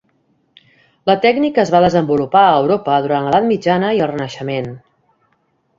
La tècnica es va desenvolupar a Europa durant l'edat mitjana i el Renaixement.